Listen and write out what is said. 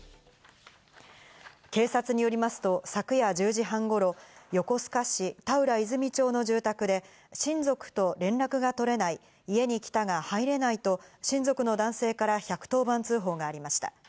警察によりますと、昨夜１０時半頃、横須賀市田浦泉町の住宅で、親族と連絡が取れない、家に来たが入れないと親族の男性から１１０番通報がありました。